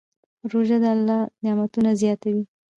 روژه د الله نعمتونه زیاتوي.